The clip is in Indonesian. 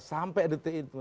sampai detik itu